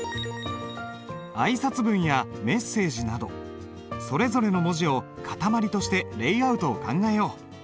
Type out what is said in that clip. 挨拶文やメッセージなどそれぞれの文字を塊としてレイアウトを考えよう。